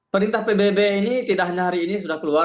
perintah pbb ini tidak hanya hari ini sudah keluar